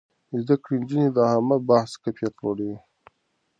زده کړې نجونې د عامه بحث کيفيت لوړوي.